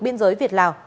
biên giới việt lào